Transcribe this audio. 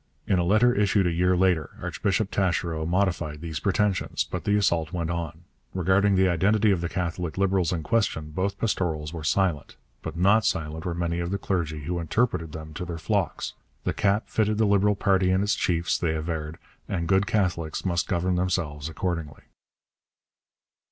In a letter issued a year later Archbishop Taschereau modified these pretensions, but the assault went on. Regarding the identity of the Catholic Liberals in question both pastorals were silent, but not silent were many of the clergy who interpreted them to their flocks. The cap fitted the Liberal party and its chiefs, they averred, and good Catholics must govern themselves accordingly.